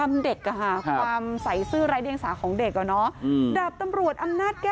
น่ารักมากจริงค่ะ